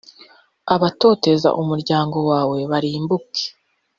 abatoteza umuryango wawe barimbuke.